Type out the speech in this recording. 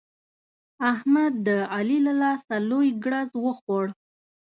احمد د علي له لاسه لوی ګړز وخوړ.